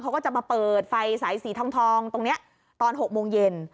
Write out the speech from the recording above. เขาก็จะมาเปิดไฟสายสีทองตรงนี้ตอน๖โมงเย็น